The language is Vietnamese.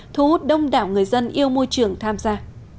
thu hút đông đảo người dân yêu môi trường tham gia